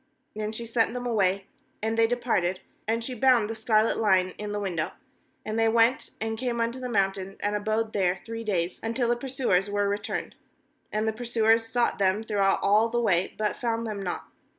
And she sent them away, and they departed; and she bound the scarlet line in the window. ^And they went, and came unto the mountain, and abode there three days, until the pursuers were returned; and the pursuers sought them throughout all the way, but found them not.